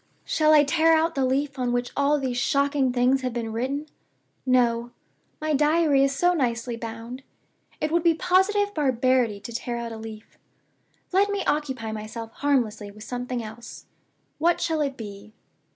"Shall I tear out the leaf on which all these shocking things have been written? No. My Diary is so nicely bound it would be positive barbarity to tear out a leaf. Let me occupy myself harmlessly with something else. What shall it be?